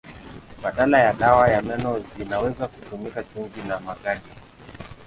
Badala ya dawa ya meno vinaweza kutumika chumvi na magadi.